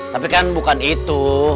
tapi kan bukan itu